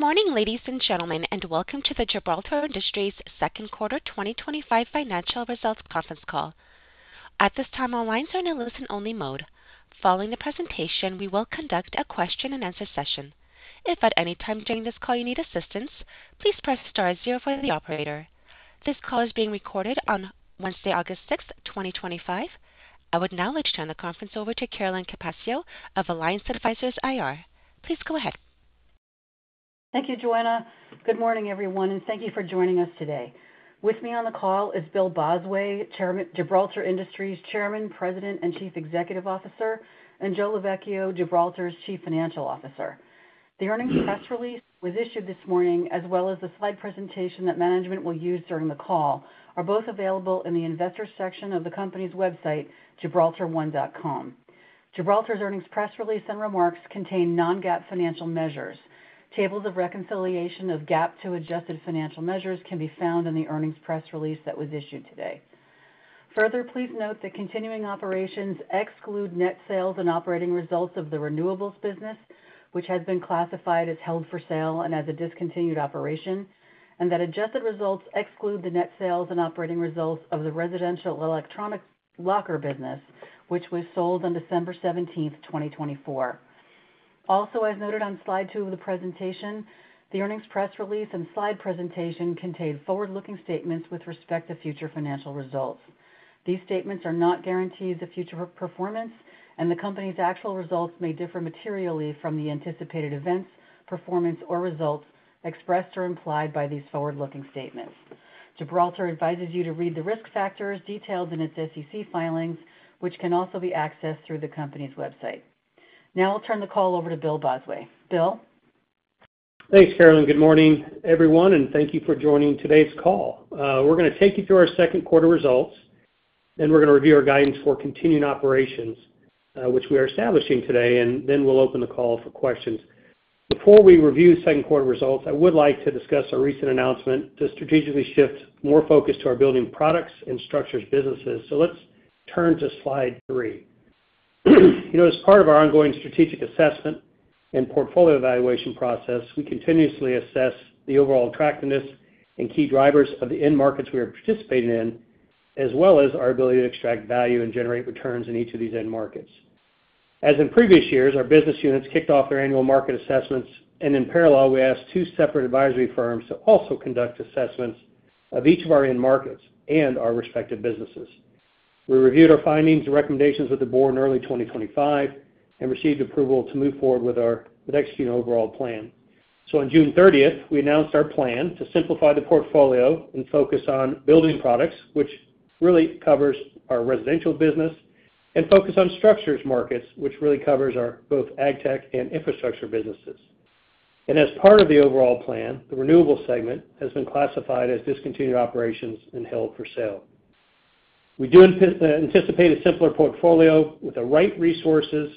Morning, ladies and gentlemen, and welcome to the Gibraltar Industries' Second Quarter 2025 Financial Results Conference Call. At this time, our lines are in a listen-only mode. Following the presentation, we will conduct a question-and-answer session. If at any time during this call you need assistance, please press star zero for the operator. This call is being recorded on Wednesday, August 6, 2025. I would now like to turn the conference over to Carolyn Capaccio of Alliance Advisors IR. Please go ahead. Thank you, Joanna. Good morning, everyone, and thank you for joining us today. With me on the call is Bill Bosway, Gibraltar Industries' Chairman, President and Chief Executive Officer, and Joe Lovechio, Gibraltar's Chief Financial Officer. The earnings press release was issued this morning, as well as the slide presentation that management will use during the call, are both available in the Investors section of the company's website, gibraltar1.com. Gibraltar's earnings press release and remarks contain non-GAAP financial measures. Tables of reconciliation of GAAP to adjusted financial measures can be found in the earnings press release that was issued today. Further, please note that continuing operations exclude net sales and operating results of the renewables business, which has been classified as held for sale and as a discontinued operation, and that adjusted results exclude the net sales and operating results of the residential electronics locker business, which was sold on December 17th, 2024. Also, as noted on slide two of the presentation, the earnings press release and slide presentation contain forward-looking statements with respect to future financial results. These statements are not guaranteed the future performance, and the company's actual results may differ materially from the anticipated events, performance, or results expressed or implied by these forward-looking statements. Gibraltar advises you to read the risk factors detailed in its SEC filings, which can also be accessed through the company's website. Now I'll turn the call over to Bill Bosway. Bill? Thanks, Carolyn. Good morning, everyone, and thank you for joining today's call. We're going to take you through our second quarter results, then we're going to review our guidance for continuing operations, which we are establishing today, and then we'll open the call for questions. Before we review second quarter results, I would like to discuss our recent announcement to strategically shift more focus to our building products and structures businesses. Let's turn to slide three. As part of our ongoing strategic assessment and portfolio evaluation process, we continuously assess the overall attractiveness and key drivers of the end markets we are participating in, as well as our ability to extract value and generate returns in each of these end markets. As in previous years, our business units kicked off their annual market assessments, and in parallel, we asked two separate advisory firms to also conduct assessments of each of our end markets and our respective businesses. We reviewed our findings and recommendations with the board in early 2025 and received approval to move forward with our next year's overall plan. On June 30th, we announced our plan to simplify the portfolio and focus on building products, which really covers our residential business, and focus on structures markets, which really covers both AGTECH and infrastructure businesses. As part of the overall plan, the renewables segment has been classified as discontinued operations and held for sale. We do anticipate a simpler portfolio with the right resources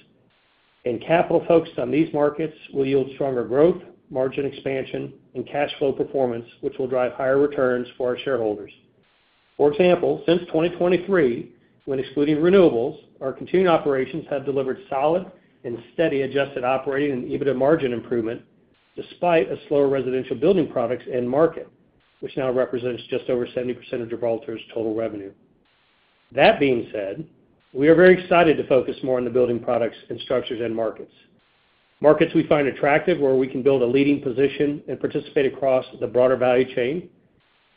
and capital focused on these markets will yield stronger growth, margin expansion, and cash flow performance, which will drive higher returns for our shareholders. For example, since 2023, when excluding renewables, our continuing operations have delivered solid and steady adjusted operating and EBITDA margin improvement despite a slower residential building products end market, which now represents just over 70% of Gibraltar's total revenue. That being said, we are very excited to focus more on the building products and structures end markets. Markets we find attractive where we can build a leading position and participate across the broader value chain,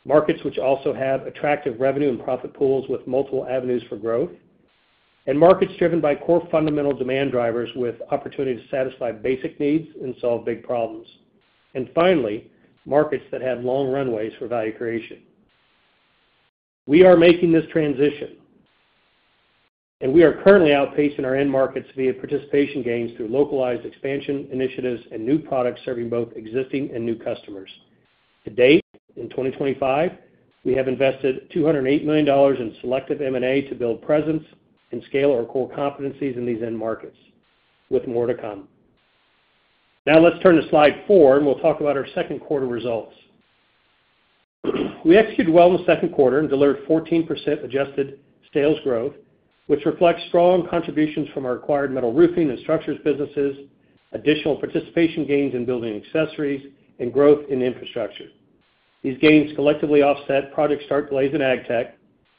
markets which also have attractive revenue and profit pools with multiple avenues for growth, and markets driven by core fundamental demand drivers with opportunity to satisfy basic needs and solve big problems, and finally, markets that have long runways for value creation. We are making this transition, and we are currently outpacing our end markets via participation gains through localized expansion initiatives and new products serving both existing and new customers. To date, in 2025, we have invested $208 million in selective M&A to build presence and scale our core competencies in these end markets, with more to come. Now let's turn to slide four, and we'll talk about our second quarter results. We executed well in the second quarter and delivered 14% adjusted sales growth, which reflects strong contributions from our acquired metal roofing and structures businesses, additional participation gains in building accessories, and growth in infrastructure. These gains collectively offset project start delays in AGTECH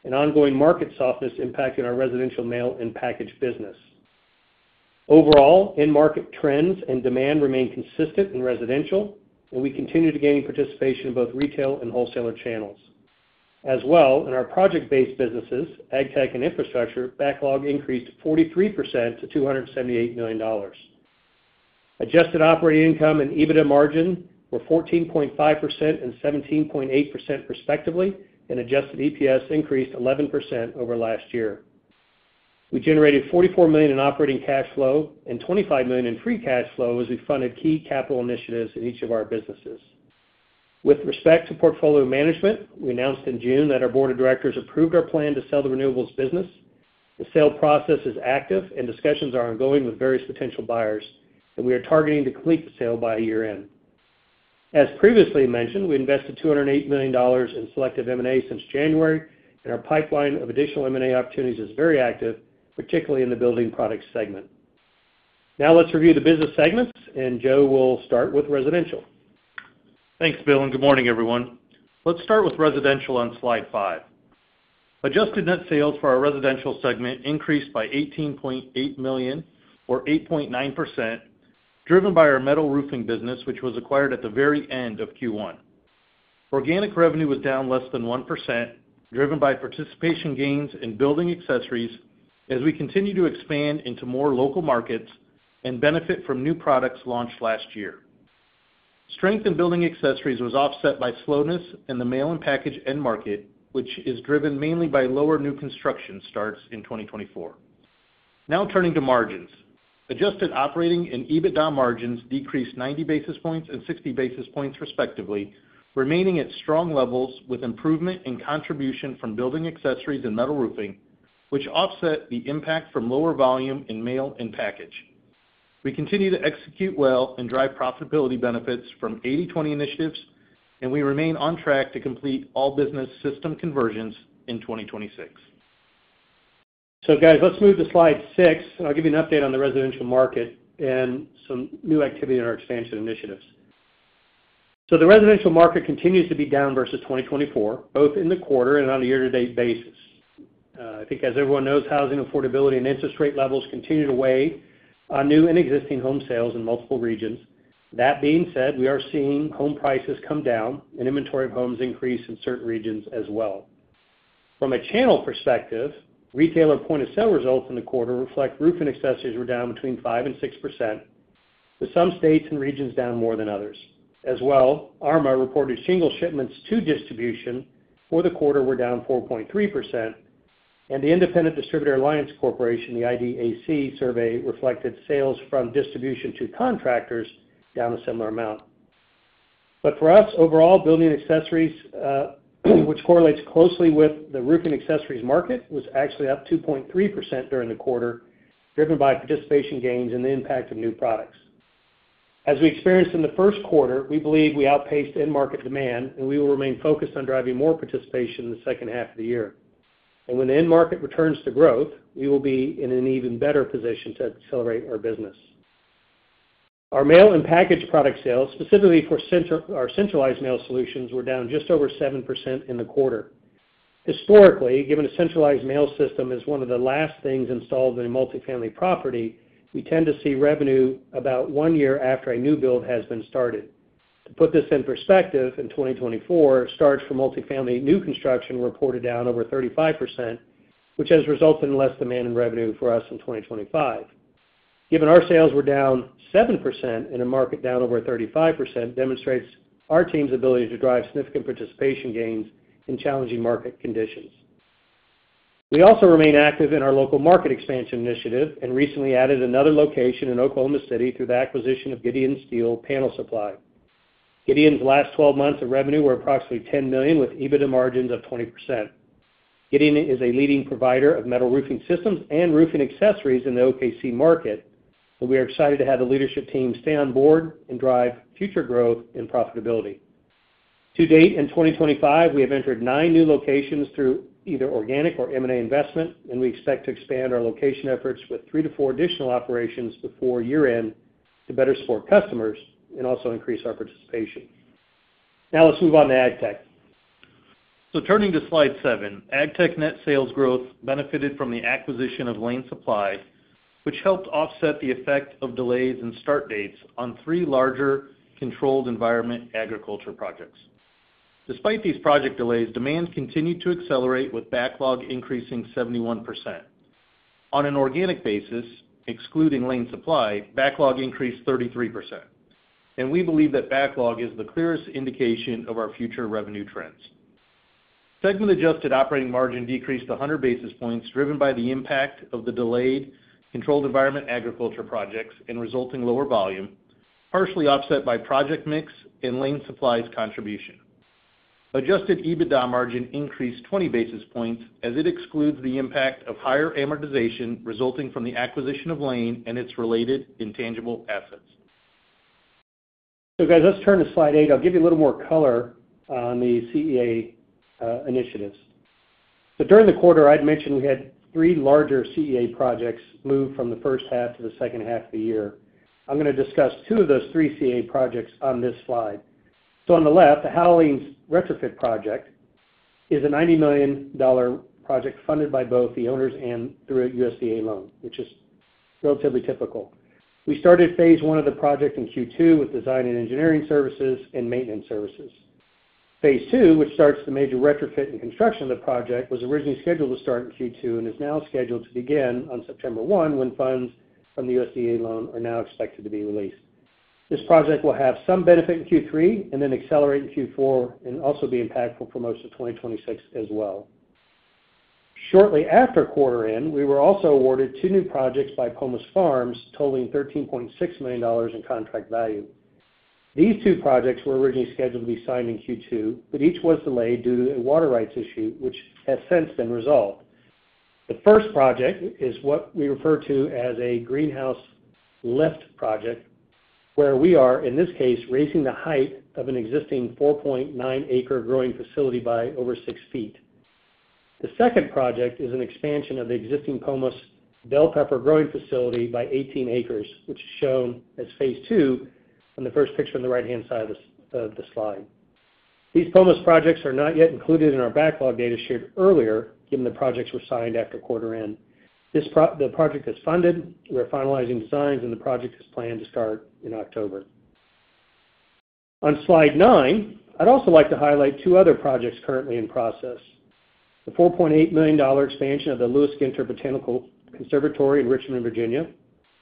and ongoing market softness impacting our residential mail and package business. Overall, end market trends and demand remain consistent in residential, and we continue to gain participation in both retail and wholesaler channels. As well, in our project-based businesses, AGTECH and infrastructure, backlog increased 43% to $278 million. Adjusted operating income and EBITDA margin were 14.5% and 17.8% respectively, and adjusted EPS increased 11% over last year. We generated $44 million in operating cash flow and $25 million in free cash flow as we funded key capital initiatives in each of our businesses. With respect to portfolio management, we announced in June that our board of directors approved our plan to sell the renewables business. The sale process is active, and discussions are ongoing with various potential buyers, and we are targeting to complete the sale by year-end. As previously mentioned, we invested $208 million in selective M&A since January, and our pipeline of additional M&A opportunities is very active, particularly in the building products segment. Now let's review the business segments, and Joe will start with residential. Thanks, Bill, and good morning, everyone. Let's start with residential on slide five. Adjusted net sales for our residential segment increased by $18.8 million, or 8.9%, driven by our metal roofing business, which was acquired at the very end of Q1. Organic revenue was down less than 1%, driven by participation gains in building accessories as we continue to expand into more local markets and benefit from new products launched last year. Strength in building accessories was offset by slowness in the mail and package business, which is driven mainly by lower new construction starts in 2024. Now turning to margins, adjusted operating and EBITDA margins decreased 90 basis points and 60 basis points, respectively, remaining at strong levels with improvement in contribution from building accessories and metal roofing, which offset the impact from lower volume in mail and package. We continue to execute well and drive profitability benefits from 80/20 initiatives, and we remain on track to complete all business system conversions in 2026. Let's move to slide six, and I'll give you an update on the residential market and some new activity in our expansion initiatives. The residential market continues to be down versus 2024, both in the quarter and on a year-to-date basis. I think, as everyone knows, housing affordability and interest rate levels continue to weigh on new and existing home sales in multiple regions. That being said, we are seeing home prices come down and inventory bumps increase in certain regions as well. From a channel perspective, retailer point of sale results in the quarter reflect roofing accessories were down between 5% and 6%, with some states and regions down more than others. As well, ARMA reported shingle shipments to distribution for the quarter were down 4.3%, and the Independent Distributor Alliance Corporation, the IDAC survey, reflected sales from distribution to contractors down a similar amount. For us, overall, building accessories, which correlates closely with the roofing accessories market, was actually up 2.3% during the quarter, driven by participation gains and the impact of new products. As we experienced in the first quarter, we believe we outpaced end-market demand, and we will remain focused on driving more participation in the second half of the year. When the end market returns to growth, we will be in an even better position to accelerate our business. Our mail and package product sales, specifically for our centralized mail solutions, were down just over 7% in the quarter. Historically, given a centralized mail system is one of the last things installed in a multifamily property, you tend to see revenue about one year after a new build has been started. To put this in perspective, in 2024, starts for multifamily new construction reported down over 35%, which has resulted in less demand and revenue for us in 2025. Given our sales were down 7% and a market down over 35% demonstrates our team's ability to drive significant participation gains in challenging market conditions. We also remain active in our local market expansion initiative and recently added another location in Oklahoma City through the acquisition of Gideon Steel Panel Supply. Gideon's last 12 months of revenue were approximately $10 million, with EBITDA margins of 20%. Gideon is a leading provider of metal roofing systems and roofing accessories in the OKC market, and we are excited to have the leadership team stay on board and drive future growth and profitability. To date, in 2025, we have entered nine new locations through either organic or M&A investment, and we expect to expand our location efforts with three to four additional operations before year-end to better support customers and also increase our participation. Now let's move on to AGTECH. Turning to slide seven, AGTECH net sales growth benefited from the acquisition of Lane Supply, which helped offset the effect of delays in start dates on three larger controlled environment agriculture projects. Despite these project delays, demand continued to accelerate, with backlog increasing 71%. On an organic basis, excluding Lane Supply, backlog increased 33%, and we believe that backlog is the clearest indication of our future revenue trends. Segment-adjusted operating margin decreased 100 basis points, driven by the impact of the delayed controlled environment agriculture projects and resulting lower volume, partially offset by project mix and Lane Supply's contribution. Adjusted EBITDA margin increased 20 basis points, as it excludes the impact of higher amortization resulting from the acquisition of Lane and its related intangible assets. Let's turn to slide eight. I'll give you a little more color on the CEA initiatives. During the quarter, I'd mentioned we had three larger CEA projects move from the first half to the second half of the year. I'm going to discuss two of those three CEA projects on this slide. On the left, the Halloween's retrofit project is a $90 million project funded by both the owners and through a USDA loan, which is relatively typical. We started phase one of the project in Q2 with design and engineering services and maintenance services. Phase two, which starts the major retrofit and construction of the project, was originally scheduled to start in Q2 and is now scheduled to begin on September 1 when funds from the USDA loan are now expected to be released. This project will have some benefit in Q3 and then accelerate in Q4 and also be impactful for most of 2026 as well. Shortly after quarter end, we were also awarded two new projects by Pomos Farms, totaling $13.6 million in contract value. These two projects were originally scheduled to be signed in Q2, but each was delayed due to a water rights issue, which has since been resolved. The first project is what we refer to as a greenhouse lift project, where we are, in this case, raising the height of an existing 4.9 acre growing facility by over six feet. The second project is an expansion of the existing Pomos bell pepper growing facility by 18 acres, which is shown as phase II on the first picture on the right-hand side of the slide. These Pomos projects are not yet included in our backlog data shared earlier, given the projects were signed after quarter end. The project is funded. We're finalizing signs, and the project is planned to start in October. On slide nine, I'd also like to highlight two other projects currently in process: the $4.8 million expansion of the Lewis Ginter Botanical Conservatory in Richmond, Virginia,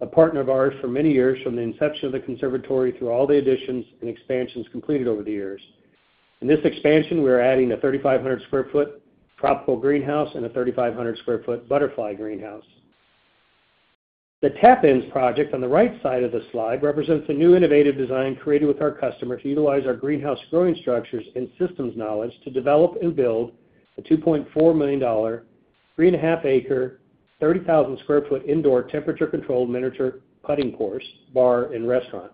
a partner of ours for many years from the inception of the conservatory through all the additions and expansions completed over the years. In this expansion, we are adding a 3,500 sq ft tropical greenhouse and a 3,500 sq ft butterfly greenhouse. The Tappins project on the right side of the slide represents a new innovative design created with our customer to utilize our greenhouse growing structures and systems knowledge to develop and build a $2.4 million three and a half acre, 30,000 sq ft indoor temperature-controlled miniature putting course, bar, and restaurant,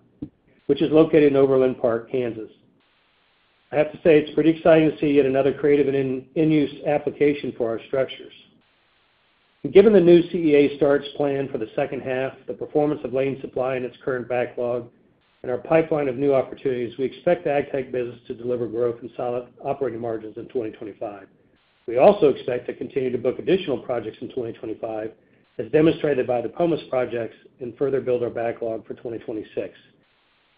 which is located in Overland Park, Kansas. I have to say it's pretty exciting to see yet another creative and in-use application for our structures. Given the new CEA starts plan for the second half, the performance of Lane Supply and its current backlog, and our pipeline of new opportunities, we expect the AGTECH business to deliver growth and solid operating margins in 2025. We also expect to continue to book additional projects in 2025, as demonstrated by the Pomos projects, and further build our backlog for 2026.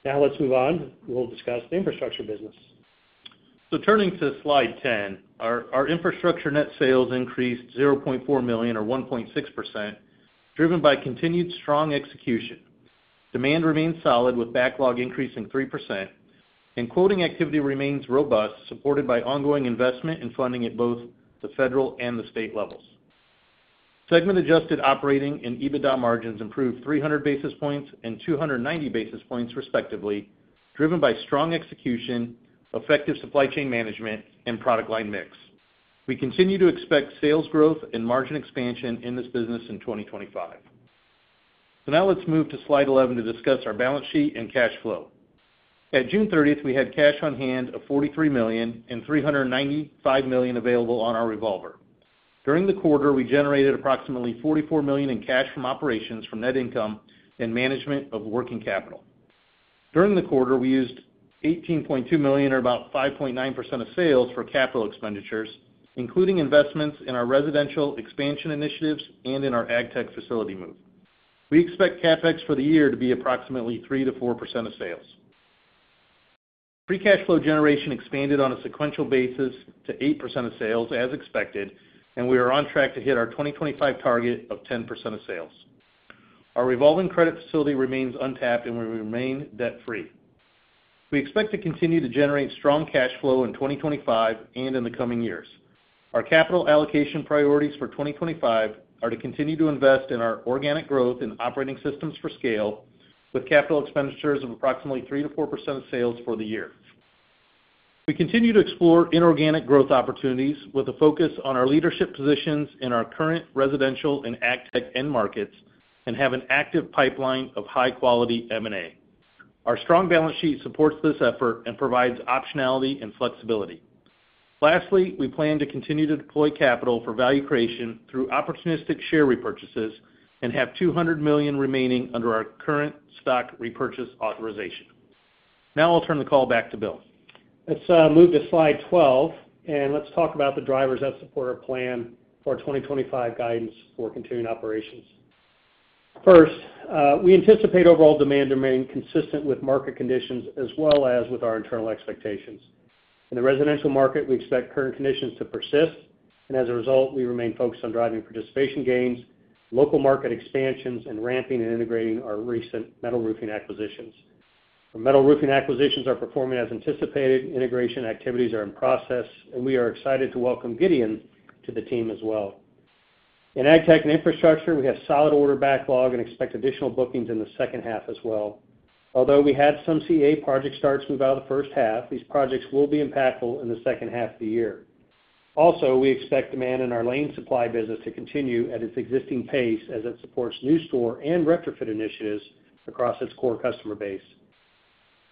Now let's move on. We'll discuss the infrastructure business. Turning to slide 10, our infrastructure net sales increased $0.4 million, or 1.6%, driven by continued strong execution. Demand remains solid, with backlog increasing 3%, and quoting activity remains robust, supported by ongoing investment and funding at both the federal and the state levels. Segment-adjusted operating and EBITDA margins improved 300 basis points and 290 basis points, respectively, driven by strong execution, effective supply chain management, and product line mix. We continue to expect sales growth and margin expansion in this business in 2025. Now let's move to slide 11 to discuss our balance sheet and cash flow. At June 30th, we had cash on hand of $43 million and $395 million available on our revolver. During the quarter, we generated approximately $44 million in cash from operations from net income and management of working capital. During the quarter, we used $18.2 million, or about 5.9% of sales, for capital expenditures, including investments in our residential expansion initiatives and in our AGTECH facility move. We expect CapEx for the year to be approximately 3%-4% of sales. Free cash flow generation expanded on a sequential basis to 8% of sales, as expected, and we are on track to hit our 2025 target of 10% of sales. Our revolving credit facility remains untapped, and we remain debt-free. We expect to continue to generate strong cash flow in 2025 and in the coming years. Our capital allocation priorities for 2025 are to continue to invest in our organic growth and operating systems for scale, with capital expenditures of approximately 3%-4% of sales for the year. We continue to explore inorganic growth opportunities with a focus on our leadership positions in our current residential and AGTECH end markets and have an active pipeline of high-quality M&A. Our strong balance sheet supports this effort and provides optionality and flexibility. Lastly, we plan to continue to deploy capital for value creation through opportunistic share repurchases and have $200 million remaining under our current stock repurchase authorization. Now I'll turn the call back to Bill. Let's move to slide 12, and let's talk about the drivers that support our plan for 2025 guidance for continuing operations. First, we anticipate overall demand to remain consistent with market conditions, as well as with our internal expectations. In the residential market, we expect current conditions to persist, and as a result, we remain focused on driving participation gains, local market expansions, and ramping and integrating our recent metal roofing acquisitions. Our metal roofing acquisitions are performing as anticipated, integration activities are in process, and we are excited to welcome Gideon to the team as well. In AGTECH and infrastructure, we have solid order backlog and expect additional bookings in the second half as well. Although we had some CEA project starts move out of the first half, these projects will be impactful in the second half of the year. Also, we expect demand in our Lane Supply business to continue at its existing pace as it supports new store and retrofit initiatives across its core customer base.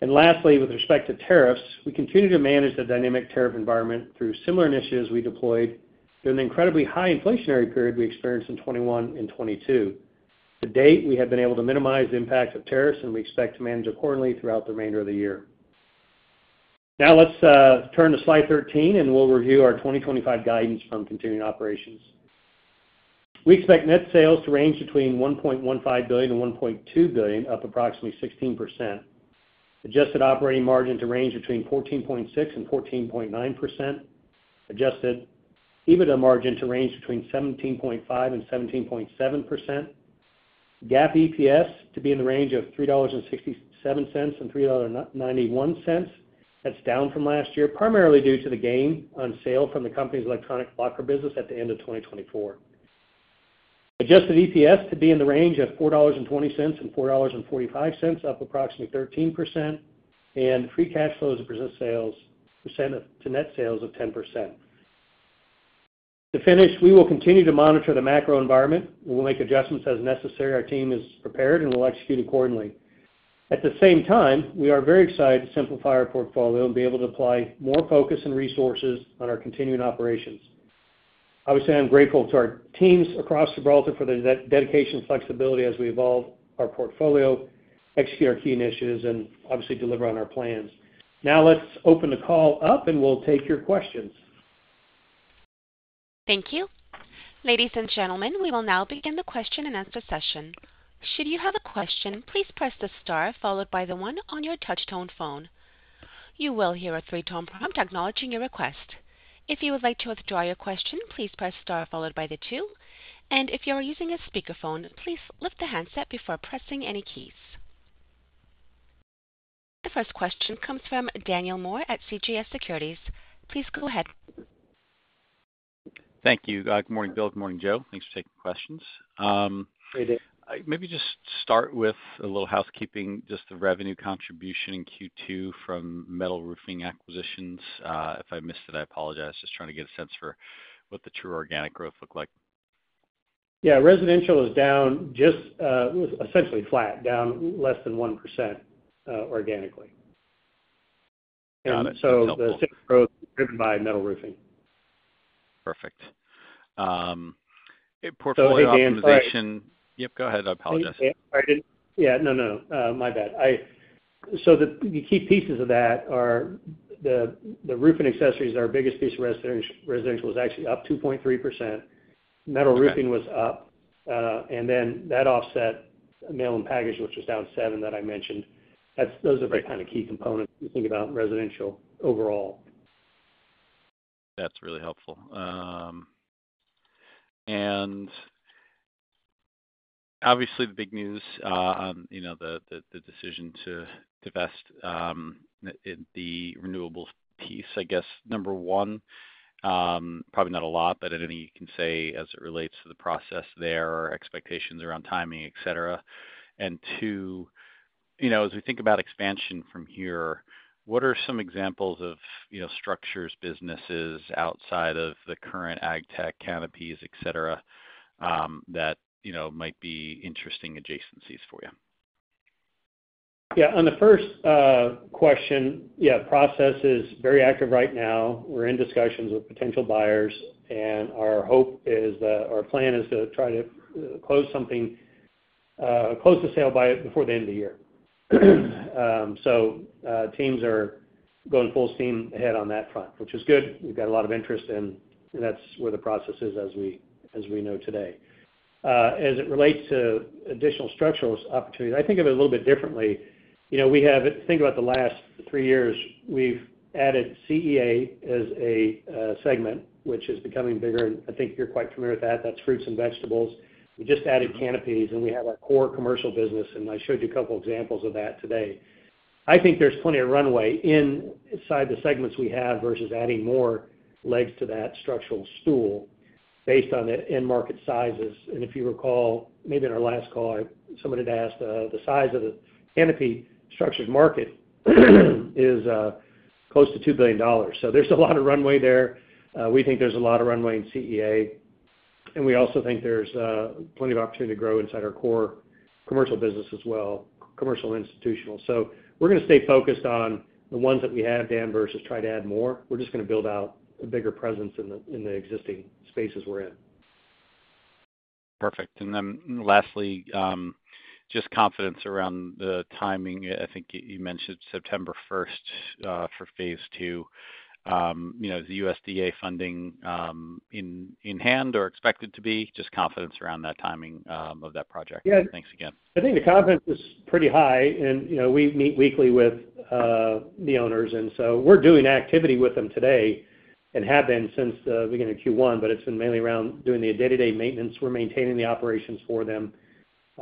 Lastly, with respect to tariffs, we continue to manage the dynamic tariff environment through similar initiatives we deployed during the incredibly high inflationary period we experienced in 2021 and 2022. To date, we have been able to minimize the impact of tariffs, and we expect to manage accordingly throughout the remainder of the year. Now let's turn to slide 13, and we'll review our 2025 guidance from continuing operations. We expect net sales to range between $1.15 billion and $1.2 billion, up approximately 16%. Adjusted operating margin to range between 14.6% and 14.9%. Adjusted EBITDA margin to range between 17.5% and 17.7%. GAAP EPS to be in the range of $3.67 and $3.91. That's down from last year, primarily due to the gain on sale from the company's electronic locker business at the end of 2024. Adjusted EPS to be in the range of $4.20 and $4.45, up approximately 13%, and free cash flow to present sales percentage to net sales of 10%. To finish, we will continue to monitor the macro environment. We will make adjustments as necessary. Our team is prepared, and we'll execute accordingly. At the same time, we are very excited to simplify our portfolio and be able to apply more focus and resources on our continuing operations. Obviously, I'm grateful to our teams across Gibraltar for their dedication and flexibility as we evolve our portfolio, execute our key initiatives, and obviously deliver on our plans. Now let's open the call up, and we'll take your questions. Thank you. Ladies and gentlemen, we will now begin the question-and-answer session. Should you have a question, please press the star followed by the one on your touch-tone phone. You will hear a three-tone prompt acknowledging your request. If you would like to withdraw your question, please press star followed by the two, and if you are using a speakerphone, please lift the handset before pressing any keys. The first question comes from Daniel Moore at CJS Securities. Please go ahead. Thank you. Good morning, Bill. Good morning, Joe. Thanks for taking the questions. Hey, David. Maybe just start with a little housekeeping, just the revenue contribution in Q2 from metal roofing acquisitions. If I missed it, I apologize. Just trying to get a sense for what the true organic growth looked like. Yeah, residential is down just, it was essentially flat, down less than 1% organically. Got it. Sales growth is driven by metal roofing. Perfect. Hey, Dan, sorry. The acquisition, yep, go ahead. I apologize. The key pieces of that are the roofing accessories. Our biggest piece of residential was actually up 2.3%. Metal roofing was up, and then that offset mail and package, which was down 7% that I mentioned. Those are the kind of key components we think about in residential overall. That's really helpful. Obviously, the big news, you know, the decision to divest in the renewables piece, I guess, number one, probably not a lot, but anything you can say as it relates to the process there, expectations around timing, etc. Two, you know, as we think about expansion from here, what are some examples of, you know, structures, businesses outside of the current AGTECH canopies, etc., that, you know, might be interesting adjacencies for you? Yeah, on the first question, process is very active right now. We're in discussions with potential buyers, and our hope is that our plan is to try to close something, close the sale before the end of the year. Teams are going full steam ahead on that front, which is good. We've got a lot of interest in, and that's where the process is as we know today. As it relates to additional structural opportunities, I think of it a little bit differently. You know, we have, think about the last three years, we've added CEA as a segment, which is becoming bigger, and I think you're quite familiar with that. That's fruits and vegetables. We just added canopies, and we have our core commercial business, and I showed you a couple examples of that today. I think there's plenty of runway inside the segments we have versus adding more legs to that structural stool based on the end-market sizes. If you recall, maybe in our last call, somebody had asked the size of the canopy structured market is close to $2 billion. There's a lot of runway there. We think there's a lot of runway in CEA, and we also think there's plenty of opportunity to grow inside our core commercial business as well, commercial and institutional. We're going to stay focused on the ones that we have, Dan, versus try to add more. We're just going to build out a bigger presence in the existing spaces we're in. Perfect. Lastly, just confidence around the timing. I think you mentioned September 1st for phase II. Is the USDA funding in hand or expected to be? Just confidence around that timing of that project. Yeah. Thanks again. I think the confidence is pretty high, and we meet weekly with the owners, and we're doing activity with them today and have been since the beginning of Q1. It's been mainly around doing the day-to-day maintenance. We're maintaining the operations for them,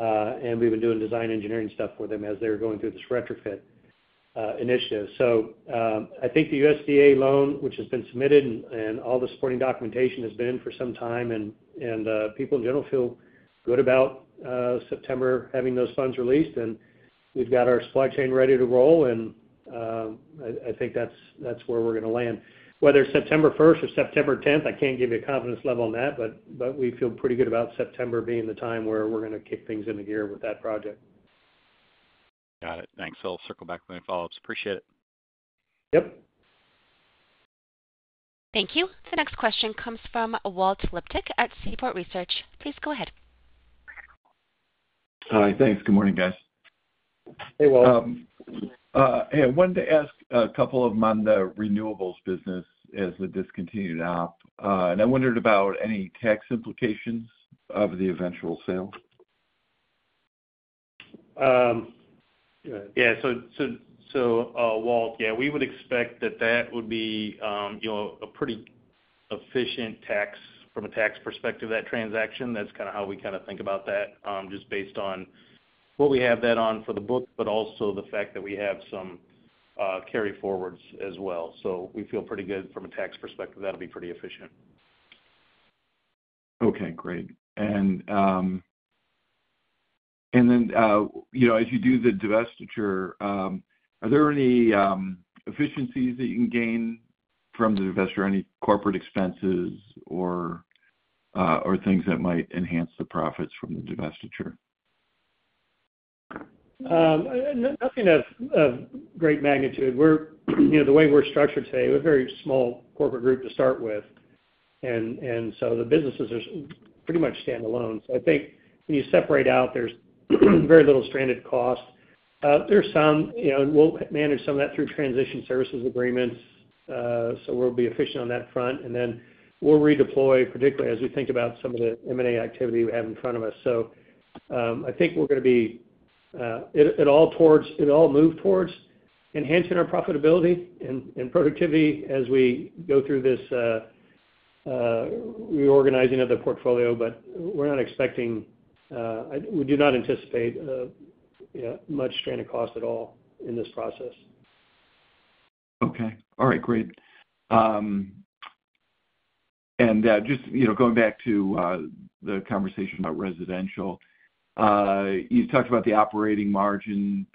and we've been doing design engineering stuff for them as they were going through this retrofit initiative. I think the USDA loan, which has been submitted, and all the supporting documentation has been in for some time, and people in general feel good about September having those funds released. We've got our supply chain ready to roll, and I think that's where we're going to land. Whether it's September 1st or September 10th, I can't give you a confidence level on that, but we feel pretty good about September being the time where we're going to kick things into gear with that project. Got it. Thanks. I'll circle back with any follow-ups. Appreciate it. Yep. Thank you. The next question comes from Walt Liptak at Seaport Research. Please go ahead. Hi, thanks. Good morning, guys. Hey, Walt. I wanted to ask a couple of them on the renewables business as a discontinued operation, and I wondered about any tax implications of the eventual sale. Yeah, Walt, we would expect that would be a pretty efficient tax from a tax perspective, that transaction. That's kind of how we think about that, just based on what we have that on for the book, but also the fact that we have some carry-forwards as well. We feel pretty good from a tax perspective. That'll be pretty efficient. Okay, great. As you do the divestiture, are there any efficiencies that you can gain from the divestiture, any corporate expenses or things that might enhance the profits from the divestiture? Nothing of great magnitude. The way we're structured today, we're a very small corporate group to start with, and the businesses are pretty much standalone. I think when you separate out, there's very little stranded cost. There's some, and we'll manage some of that through transition services agreements. We'll be efficient on that front, and then we'll redeploy, particularly as we think about some of the M&A activity we have in front of us. I think we're going to be at all move towards enhancing our profitability and productivity as we go through this reorganizing of the portfolio, but we're not expecting, we do not anticipate, much stranded cost at all in this process. All right, great. Just going back to the conversation about residential, you talked about the operating margin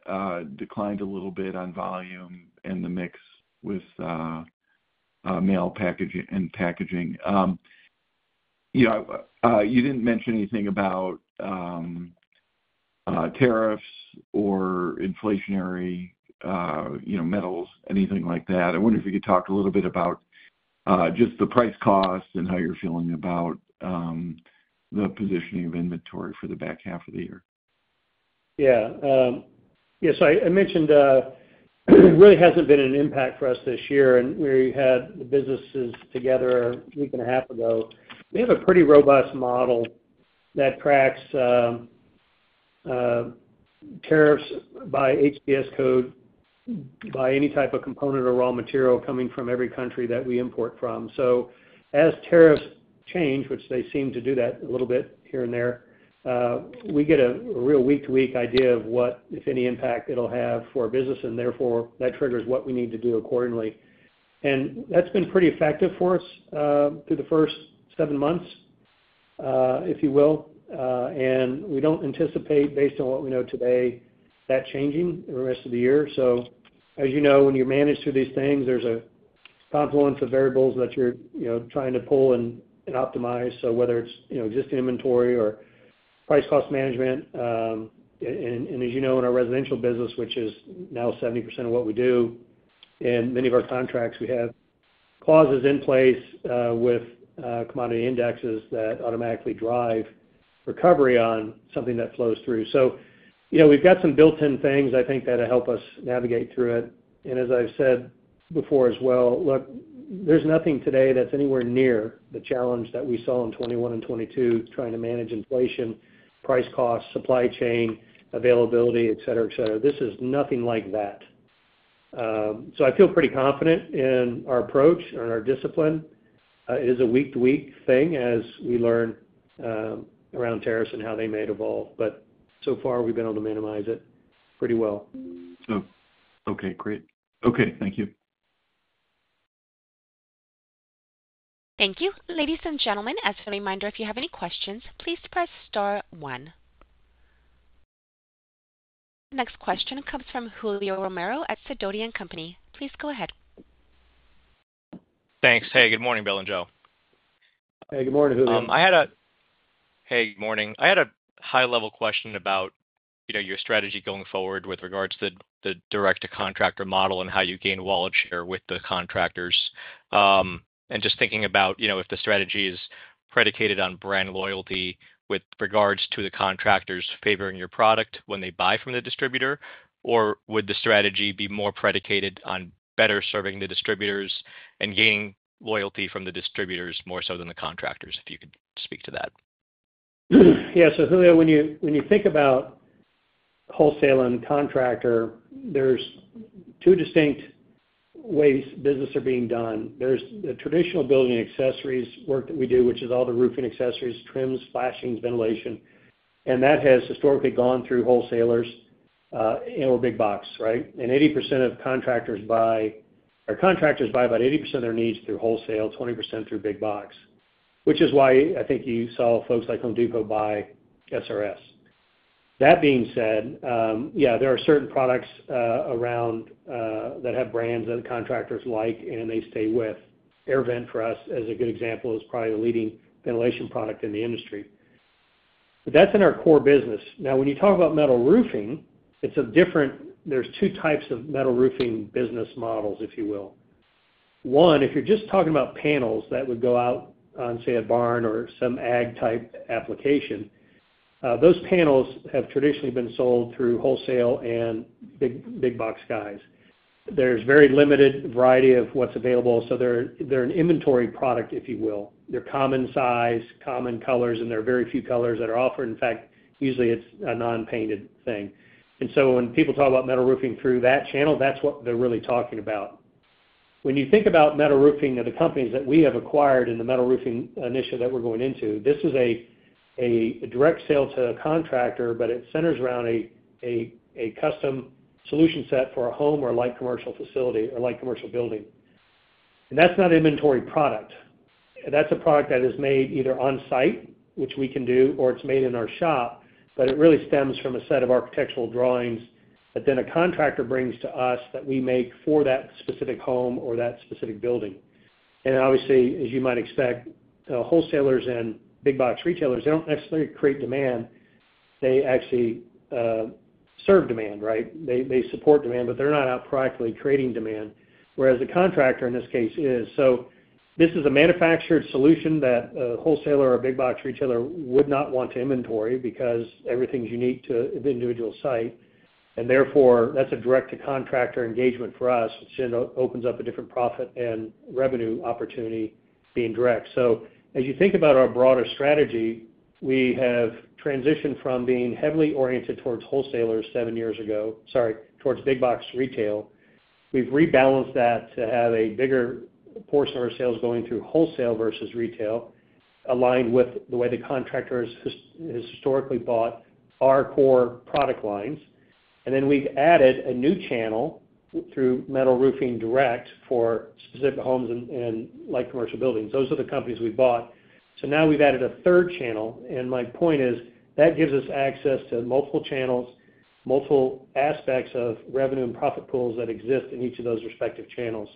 declined a little bit on volume and the mix with mail and package and packaging. You didn't mention anything about tariffs or inflationary metals, anything like that. I wonder if you could talk a little bit about just the price cost and how you're feeling about the positioning of inventory for the back half of the year. Yeah, it really hasn't been an impact for us this year, and we had the businesses together a week and a half ago. We have a pretty robust model that tracks tariffs by HPS code by any type of component or raw material coming from every country that we import from. As tariffs change, which they seem to do a little bit here and there, we get a real week-to-week idea of what, if any, impact it'll have for our business, and that triggers what we need to do accordingly. That's been pretty effective for us through the first seven months, if you will, and we don't anticipate, based on what we know today, that changing in the rest of the year. As you know, when you manage through these things, there's a confluence of variables that you're trying to pull and optimize. Whether it's existing inventory or price cost management, and as you know, in our residential business, which is now 70% of what we do, in many of our contracts, we have clauses in place with commodity indexes that automatically drive recovery on something that flows through. We've got some built-in things, I think, that'll help us navigate through it. As I've said before as well, look, there's nothing today that's anywhere near the challenge that we saw in 2021 and 2022 trying to manage inflation, price costs, supply chain, availability, et cetera. This is nothing like that. I feel pretty confident in our approach and our discipline. It is a week-to-week thing as we learn around tariffs and how they may evolve, but so far, we've been able to minimize it pretty well. Okay, great. Thank you. Thank you. Ladies and gentlemen, as a reminder, if you have any questions, please press star one. Next question comes from Julio Romero at Sidoti & Company. Please go ahead. Thanks. Good morning, Bill and Joe. Hey, good morning, Julio. Good morning. I had a high-level question about your strategy going forward with regards to the direct-to-contractor model and how you gain wallet share with the contractors. Just thinking about if the strategy is predicated on brand loyalty with regards to the contractors favoring your product when they buy from the distributor, or would the strategy be more predicated on better serving the distributors and gaining loyalty from the distributors more so than the contractors, if you could speak to that? Yeah, so Julio, when you think about wholesale and contractor, there are two distinct ways businesses are being done. There is the traditional building and accessories work that we do, which is all the roofing accessories, trims, flashings, ventilation, and that has historically gone through wholesalers and/or Big Box, right? Contractors buy about 80% of their needs through wholesale, 20% through Big Box, which is why I think you saw folks like Home Depot buy SRS. That being said, there are certain products around that have brands that the contractors like and they stay with. AirVent for us is a good example. It's probably the leading ventilation product in the industry. That's in our core business. Now, when you talk about metal roofing, it's different, there are two types of metal roofing business models, if you will. One, if you're just talking about panels that would go out on, say, a barn or some ag-type application, those panels have traditionally been sold through wholesale and Big Box guys. There is a very limited variety of what's available, so they're an inventory product, if you will. They're common size, common colors, and there are very few colors that are offered. In fact, usually it's a non-painted thing. When people talk about metal roofing through that channel, that's what they're really talking about. When you think about metal roofing or the companies that we have acquired in the metal roofing initiative that we're going into, this is a direct sale to a contractor, but it centers around a custom solution set for a home or a light commercial facility or a light commercial building. That's not an inventory product. That's a product that is made either on-site, which we can do, or it's made in our shop, but it really stems from a set of architectural drawings that then a contractor brings to us that we make for that specific home or that specific building. Obviously, as you might expect, wholesalers and Big Box retailers don't necessarily create demand. They actually serve demand, right? They support demand, but they're not out proactively creating demand, whereas the contractor in this case is. This is a manufactured solution that a wholesaler or a Big Box retailer would not want to inventory because everything's unique to the individual site. That's a direct-to-contractor engagement for us, which then opens up a different profit and revenue opportunity being direct. As you think about our broader strategy, we have transitioned from being heavily oriented towards wholesalers seven years ago, sorry, towards Big Box retail. We've rebalanced that to have a bigger portion of our sales going through wholesale versus retail, aligned with the way the contractors historically bought our core product lines. We've added a new channel through metal roofing direct for specific homes and light commercial buildings. Those are the companies we bought. Now we've added a third channel, and my point is that gives us access to multiple channels, multiple aspects of revenue and profit pools that exist in each of those respective channels.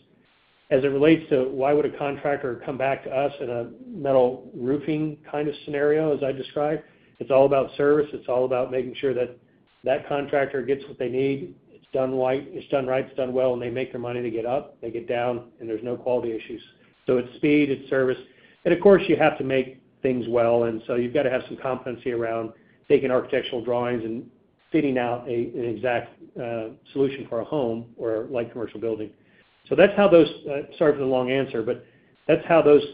As it relates to why would a contractor come back to us in a metal roofing kind of scenario, as I described, it's all about service. It's all about making sure that contractor gets what they need. It's done right, it's done well, and they make their money. They get up, they get down, and there's no quality issues. It's speed, it's service, and of course, you have to make things well. You've got to have some competency around taking architectural drawings and fitting out an exact solution for a home or a light commercial building. That's how those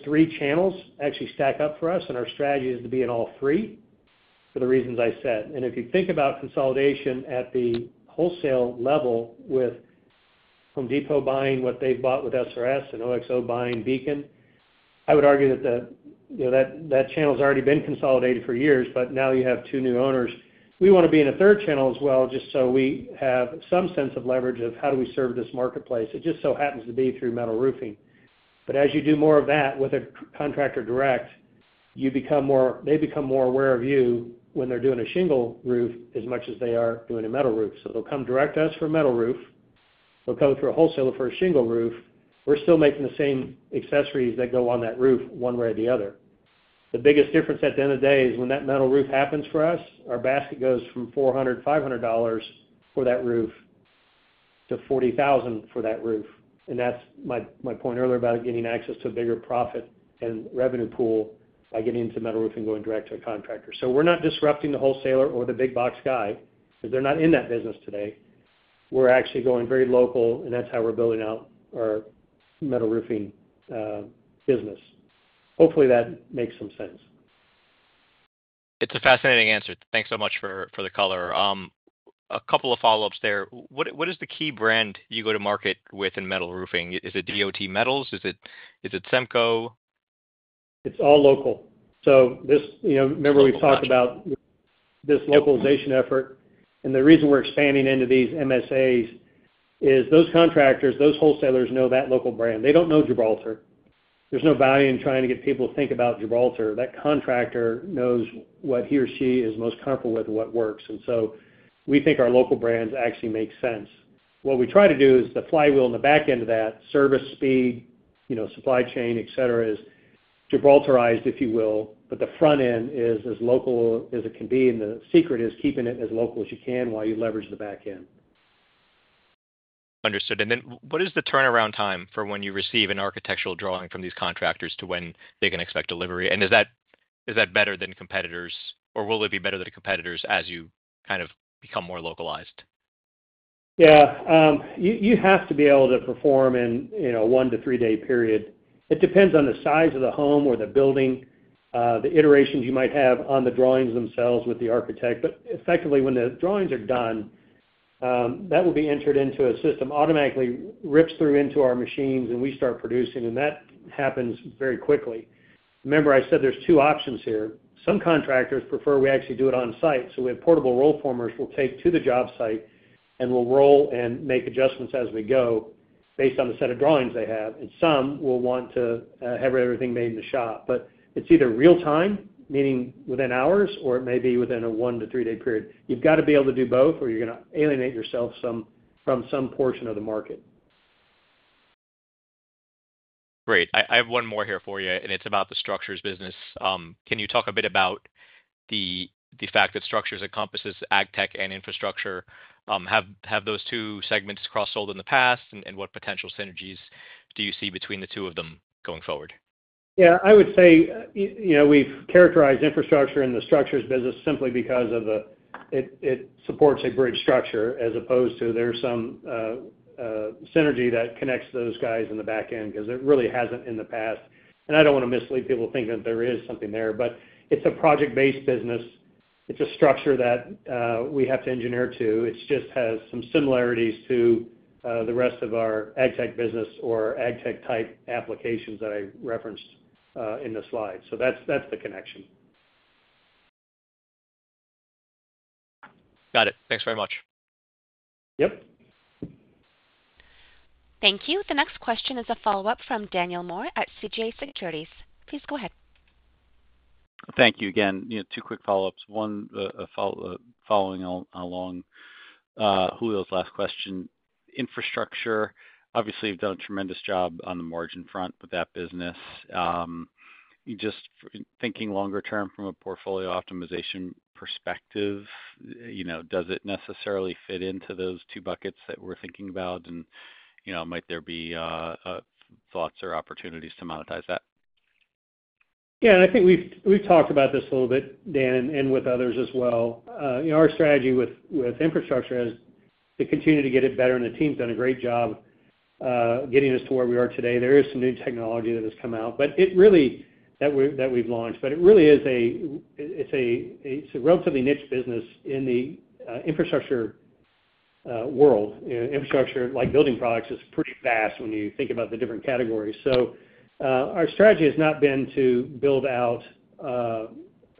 three channels actually stack up for us, and our strategy is to be in all three for the reasons I said. If you think about consolidation at the wholesale level with Home Depot buying what they've bought with SRS and OXO buying Beacon, I would argue that channel's already been consolidated for years, but now you have two new owners. We want to be in a third channel as well, just so we have some sense of leverage of how do we serve this marketplace. It just so happens to be through metal roofing. As you do more of that with a contractor direct, you become more, they become more aware of you when they're doing a shingle roof as much as they are doing a metal roof. They'll come direct to us for a metal roof. They'll go through a wholesaler for a shingle roof. We're still making the same accessories that go on that roof one way or the other. The biggest difference at the end of the day is when that metal roof happens for us, our basket goes from $400, $500 for that roof to $40,000 for that roof. That is my point earlier about getting access to a bigger profit and revenue pool by getting into metal roofing, going direct to a contractor. We are not disrupting the wholesaler or the Big Box guy because they are not in that business today. We are actually going very local, and that is how we are building out our metal roofing business. Hopefully, that makes some sense. It's a fascinating answer. Thanks so much for the color. A couple of follow-ups there. What is the key brand you go to market with in metal roofing? Is it DOT Metals? Is it Semco? It's all local. Remember we've talked about this localization effort, and the reason we're expanding into these MSAs is those contractors, those wholesalers know that local brand. They don't know Gibraltar. There's no value in trying to get people to think about Gibraltar. That contractor knows what he or she is most comfortable with and what works. We think our local brands actually make sense. What we try to do is the flywheel in the back end of that, service, speed, supply chain, et cetera, is Gibraltarized, if you will, but the front end is as local as it can be, and the secret is keeping it as local as you can while you leverage the back end. What is the turnaround time for when you receive an architectural drawing from these contractors to when they can expect delivery? Is that better than competitors, or will it be better than competitors as you kind of become more localized? Yeah, you have to be able to perform in a one to three-day period. It depends on the size of the home or the building, the iterations you might have on the drawings themselves with the architect. Effectively, when the drawings are done, that will be entered into a system, automatically ripped through into our machines, and we start producing. That happens very quickly. Remember, I said there's two options here. Some contractors prefer we actually do it on-site. We have portable roll formers we'll take to the job site, and we'll roll and make adjustments as we go based on the set of drawings they have. Some will want to have everything made in the shop. It's either real-time, meaning within hours, or it may be within a one to three-day period. You've got to be able to do both, or you're going to alienate yourself from some portion of the market. Great. I have one more here for you, and it's about the structures business. Can you talk a bit about the fact that structures encompasses AGTECH and infrastructure? Have those two segments cross-sold in the past, and what potential synergies do you see between the two of them going forward? Yeah, I would say we've characterized infrastructure in the structures business simply because it supports a bridge structure as opposed to there's some synergy that connects those guys in the back end because it really hasn't in the past. I don't want to mislead people thinking that there is something there, but it's a project-based business. It's a structure that we have to engineer to. It just has some similarities to the rest of our AGTECH business or AGTECH type applications that I referenced in the slide. That's the connection. Got it. Thanks very much. Yep. Thank you. The next question is a follow-up from Daniel Moore at CJS Securities. Please go ahead. Thank you again. Two quick follow-ups. One, following along Julio's last question. Infrastructure, obviously, you've done a tremendous job on the margin front with that business. Just thinking longer term from a portfolio optimization perspective, does it necessarily fit into those two buckets that we're thinking about? Might there be thoughts or opportunities to monetize that? Yeah, I think we've talked about this a little bit, Dan, and with others as well. You know, our strategy with infrastructure is to continue to get it better, and the team's done a great job getting us to where we are today. There is some new technology that has come out that we've launched, but it really is a relatively niche business in the infrastructure world. Infrastructure, like building products, is pretty vast when you think about the different categories. Our strategy has not been to build out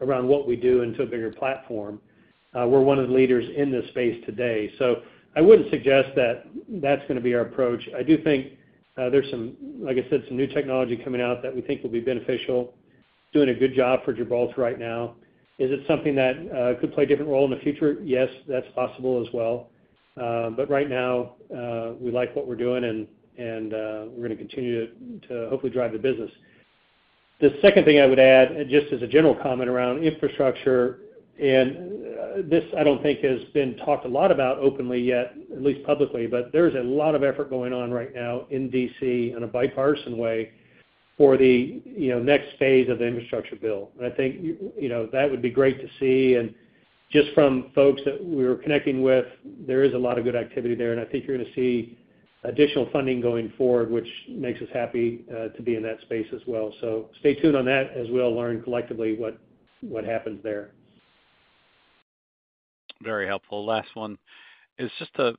around what we do into a bigger platform. We're one of the leaders in this space today. I wouldn't suggest that that's going to be our approach. I do think there's some, like I said, some new technology coming out that we think will be beneficial, doing a good job for Gibraltar right now. Is it something that could play a different role in the future? Yes, that's possible as well. Right now, we like what we're doing, and we're going to continue to hopefully drive the business. The second thing I would add, just as a general comment around infrastructure, and this, I don't think has been talked a lot about openly yet, at least publicly, but there's a lot of effort going on right now in D.C. in a bipartisan way for the next phase of the infrastructure bill. I think that would be great to see. Just from folks that we were connecting with, there is a lot of good activity there, and I think you're going to see additional funding going forward, which makes us happy to be in that space as well. Stay tuned on that as we'll learn collectively what happens there. Very helpful. Last one is just the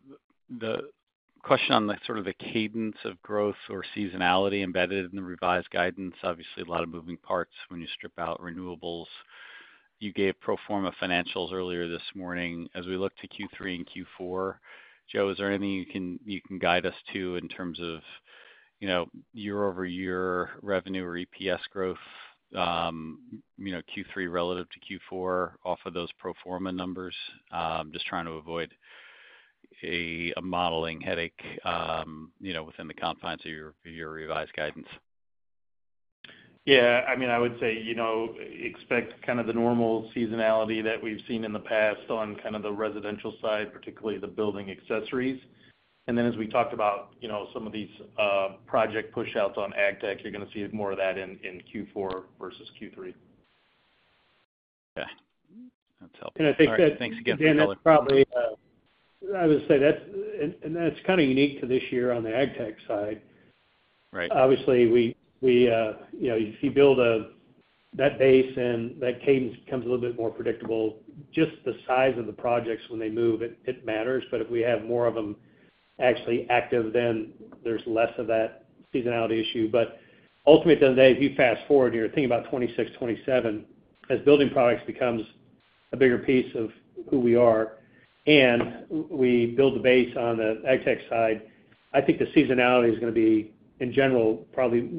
question on the sort of the cadence of growth or seasonality embedded in the revised guidance. Obviously, a lot of moving parts when you strip out renewables. You gave pro forma financials earlier this morning. As we look to Q3 and Q4, Joe, is there anything you can guide us to in terms of, you know, year-over-year revenue or EPS growth, you know, Q3 relative to Q4 off of those pro forma numbers? Just trying to avoid a modeling headache, you know, within the confines of your revised guidance. I would say, you know, expect kind of the normal seasonality that we've seen in the past on kind of the residential side, particularly the building accessories. As we talked about, you know, some of these project push-outs on AGTECH, you're going to see more of that in Q4 versus Q3. Yeah, that's helpful. I think. Thanks again. I would say that's kind of unique to this year on the AGTECH side. Right. Obviously, if you build that base and that cadence becomes a little bit more predictable. Just the size of the projects when they move, it matters. If we have more of them actually active, then there's less of that seasonality issue. Ultimately, at the end of the day, if you fast forward and you're thinking about 2026, 2027, as building products become a bigger piece of who we are, and we build the base on the AGTECH side, I think the seasonality is going to be, in general, probably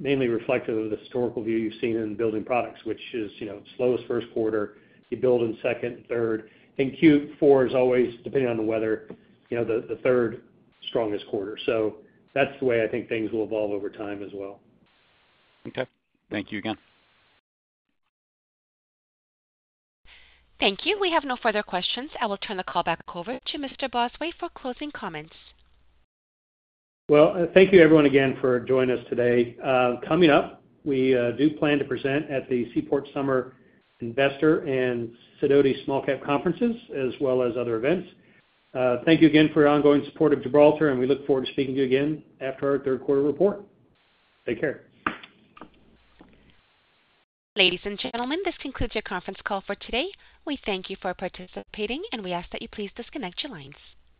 mainly reflective of the historical view you've seen in building products, which is slowest first quarter. You build in second and third, and Q4 is always, depending on the weather, the third strongest quarter. That's the way I think things will evolve over time as well. Okay, thank you again. Thank you. We have no further questions. I will turn the call back over to Mr. Bosway for closing comments. Thank you, everyone, again for joining us today. Coming up, we do plan to present at the Seaport Summer Investor and Sidoti Small Cap Conferences, as well as other events. Thank you again for your ongoing support of Gibraltar, and we look forward to speaking to you again after our third quarter report. Take care. Ladies and gentlemen, this concludes your conference call for today. We thank you for participating, and we ask that you please disconnect your lines.